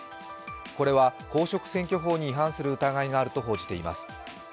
これは公職選挙法に違反する疑いがあると報じています。